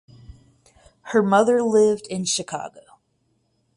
Her mother lived in Chicago.